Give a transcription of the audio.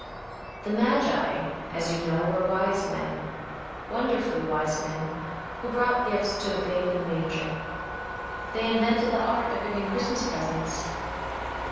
‚ÄĚ The magi, as you know, were wise men‚ÄĒwonderfully wise men‚ÄĒwho brought gifts to the Babe in the manger. They invented the art of giving Christmas presents.